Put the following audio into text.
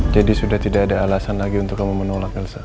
jadi sudah tidak ada alasan lagi untuk kamu menolak elsa